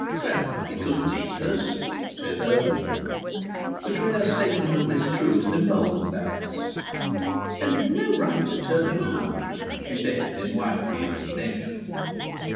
"Well, he couldn't eat us!" said Herbert. The clear statement of this truth emboldened Alice. "And he'd no right to turn you out!" she said in wifely indignation.